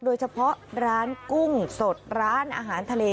โดยเฉพาะร้านกุ้งสดร้านอาหารทะเล